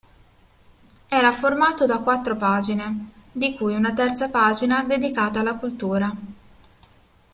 Era formato da quattro pagine, di cui una terza pagina dedicata alla cultura.